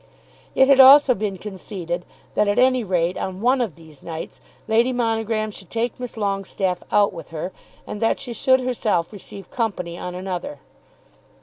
It had also been conceded that at any rate on one of these nights Lady Monogram should take Miss Longestaffe out with her, and that she should herself receive company on another.